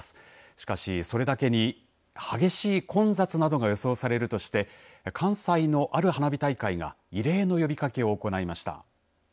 しかし、それだけに激しい混雑などが予想されるとして関西のある花火大会が異例の呼びかけを行いました。